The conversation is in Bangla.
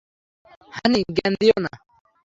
হানি, জ্ঞান দিয়ো না।